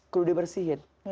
kalo udah bersihin